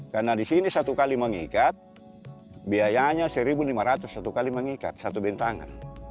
karena di sini satu kali mengikat biayanya satu lima ratus satu kali mengikat satu bintangan